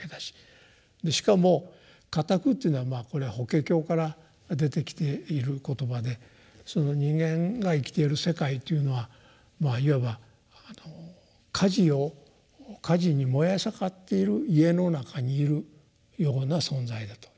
しかも「火宅」っていうのはまあこれは法華経から出てきている言葉でその人間が生きている世界というのはまあいわば火事を火事に燃え盛っている家の中にいるような存在だと。